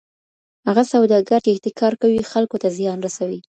هغه سوداګر چي احتکار کوي خلکو ته زیان رسوي.